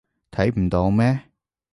睇唔到咩？